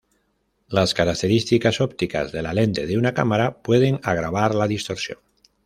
Las características ópticas de la lente de una cámara pueden agravar la distorsión.